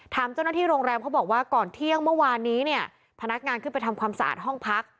ถามเจ้าหน้าที่โรงแรมเขาบอกว่าก่อนเที่ยงเมื่อวานนี้เนี่ยพนักงานขึ้นไปทำความสะอาดห้องพัก